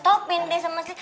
stopin deh sama si